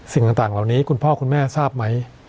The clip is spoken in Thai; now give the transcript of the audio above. สิ่งต่างเหล่านี้คุณพ่อคุณแม่ทราบไหม